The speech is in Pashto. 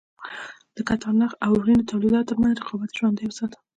د کتان- نخ او وړینو تولیداتو ترمنځ رقابت یې ژوندی وساته.